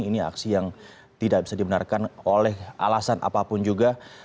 ini aksi yang tidak bisa dibenarkan oleh alasan apapun juga